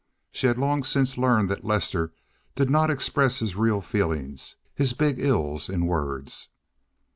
She had long since learned that Lester did not express his real feeling, his big ills in words.